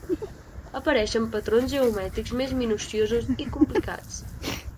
Apareixen patrons geomètrics més minuciosos i complicats.